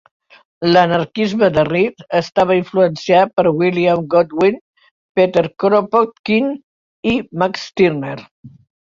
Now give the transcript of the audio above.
L'anarquisme de Read estava influenciat per William Godwin, Peter Kropotkin i Max Stirner.